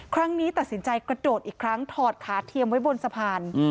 ครั้งนี้ตัดสินใจกระโดดอีกครั้งถอดขาเทียมไว้บนสะพาน